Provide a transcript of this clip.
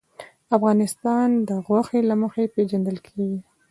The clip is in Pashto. افغانستان د غوښې له مخې پېژندل کېږي.